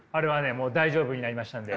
もう大丈夫になりましたんで。